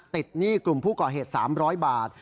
หนี้กลุ่มผู้ก่อเหตุ๓๐๐บาท